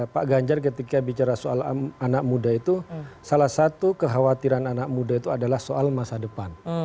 pak ganjar ketika bicara soal anak muda itu salah satu kekhawatiran anak muda itu adalah soal masa depan